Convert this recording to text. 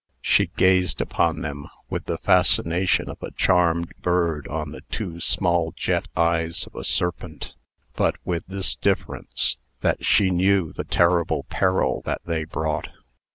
She gazed upon them with the fascination of a charmed bird on the two small jet eyes of a serpent; but with this difference, that she knew the terrible peril that they brought.